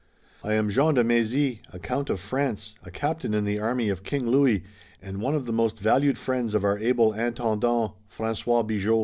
"I am Jean de Mézy, a count of France, a captain in the army of King Louis, and one of the most valued friends of our able Intendant, François Bigot."